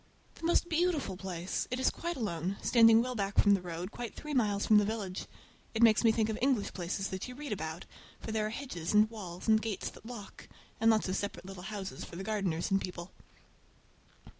The most beautiful place! It is quite alone, standing well back from the road, quite three miles from the village. It makes me think of English places that you read about, for there are hedges and walls and gates that lock, and lots of separate little houses for the gardeners and people.